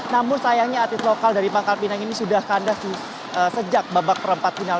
namun sayangnya atlet lokal dari pangkal pinang ini sudah kandas sejak babak perempat final